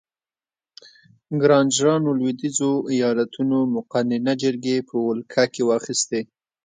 ګرانجرانو لوېدیځو ایالتونو مقننه جرګې په ولکه کې واخیستې.